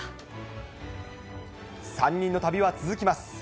３人の旅は続きます。